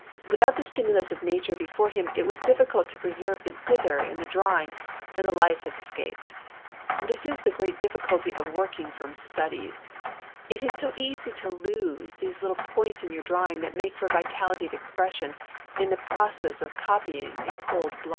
Without the stimulus of nature before him it was difficult to preserve the "dither" in the drawing, and the life has escaped. This is the great difficulty of working from studies; it is so easy to lose those little points in your drawing that make for vitality of expression, in the process of copying in cold blood.